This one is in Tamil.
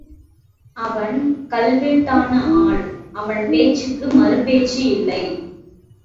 அவன் கல்வெட்டான ஆள் அவன் பேச்சுக்கு மறு பேச்சு இல்லை.